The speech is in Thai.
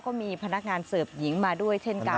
ก็มีพนักงานเสิร์ฟหญิงมาด้วยเช่นกัน